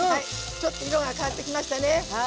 ちょっと色が変わってきましたね。